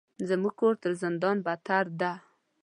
زموږ کور تر زندان بدتر ده.